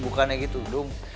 bukannya gitu dong